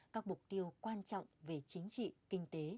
các mục tiêu quan trọng về chính trị kinh tế